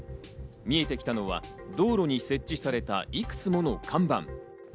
見えてきたのは道路に設置されたいくつもの看板。